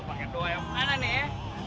paket dua yang mana ya